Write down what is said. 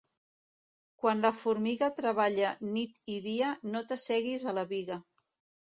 Quan la formiga treballa nit i dia, no t'asseguis a la biga.